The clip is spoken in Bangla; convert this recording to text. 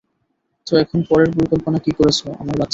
তো এখন পরের পরিকল্পনা কি করেছ, আমার বাচ্চা?